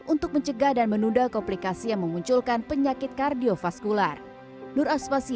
untuk mencegah dan menunda komplikasi yang memunculkan penyakit kardiofaskular